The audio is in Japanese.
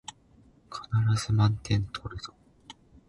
必ず満点取るぞ